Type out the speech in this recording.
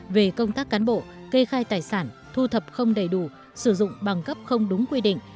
về công tác cán bộ kê khai tài sản thu thập không đầy đủ sử dụng bằng cấp không đúng quy định